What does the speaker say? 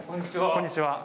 こんにちは。